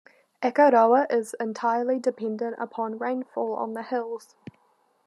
Akaroa is entirely dependent upon rainfall on the hills.